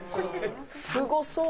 すごそう！